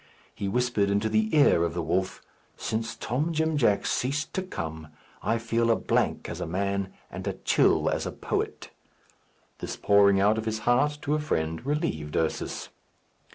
He whispered into the ear of the wolf, "Since Tom Jim Jack ceased to come, I feel a blank as a man, and a chill as a poet." This pouring out of his heart to a friend relieved Ursus.